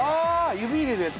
指入れるやつ？